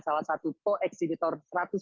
salah satu koeksibitor satu ratus lima puluh tujuh